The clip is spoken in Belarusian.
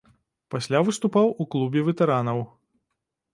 Пасля выступаў у клубе ветэранаў.